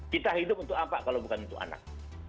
kita hidup untuk apa kalau bukan untuk anak